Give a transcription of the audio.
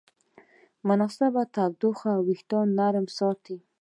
مناسب تودوخه وېښتيان نرم ساتي.